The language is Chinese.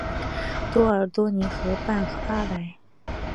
多尔多尼河畔阿莱。